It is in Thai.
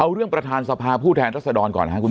เราพาผู้แทนรัศดรก่อนค่ะคุณหมอ